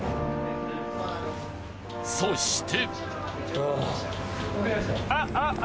［そして］